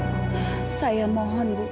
memisahkan orang yang membutuhkan